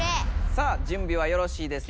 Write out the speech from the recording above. さあじゅんびはよろしいですか？